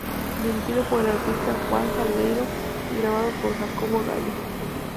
Dirigido por el artista Juan Salgueiro y grabado por Jacobo Gayo.